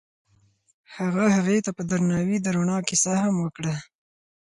هغه هغې ته په درناوي د رڼا کیسه هم وکړه.